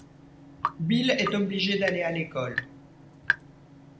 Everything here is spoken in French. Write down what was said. Bill est obligé d'aller à l'école.